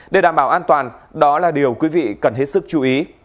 để đảm bảo an toàn đó là điều quý vị cần hết sức chú ý